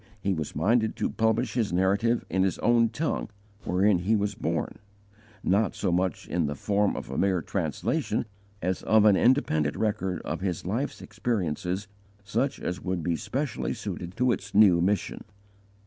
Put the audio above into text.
He was minded to publish his Narrative in his own tongue wherein he was born, not so much in the form of a mere translation, as of an independent record of his life's experiences such as would be specially suited to its new mission.